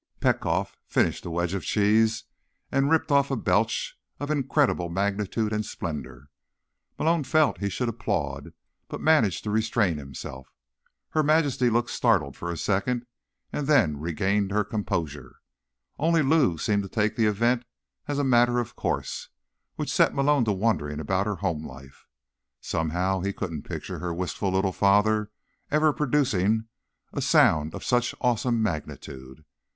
Petkoff finished the wedge of cheese and ripped off a belch of incredible magnitude and splendor. Malone felt he should applaud, but managed to restrain himself. Her Majesty looked startled for a second, and then regained her composure. Only Lou seemed to take the event as a matter of course, which set Malone to wondering about her home life. Somehow he couldn't picture her wistful little father ever producing a sound of such awesome magnitude.